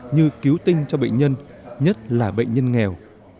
như cứu tinh cho bệnh nhân nhất là bệnh nhân nghèo